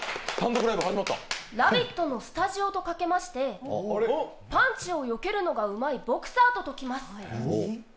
「ラヴィット！」のスタジオとかけましてパンチをよけるのがうまいボクサーと解きます。